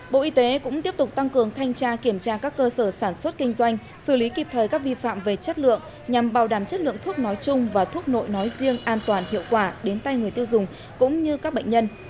bộ y tế cũng tiếp tục tăng cường thanh tra kiểm tra các cơ sở sản xuất kinh doanh xử lý kịp thời các vi phạm về chất lượng nhằm bảo đảm chất lượng thuốc nói chung và thuốc nội nói riêng an toàn hiệu quả đến tay người tiêu dùng cũng như các bệnh nhân